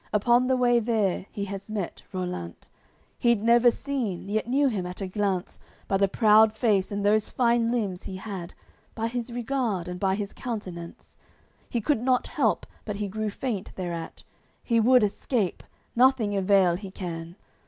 Upon the way there, he has met Rollant; He'd never seen, yet knew him at a glance, By the proud face and those fine limbs he had, By his regard, and by his contenance; He could not help but he grew faint thereat, He would escape, nothing avail he can.